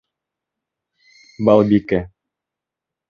Балбикә.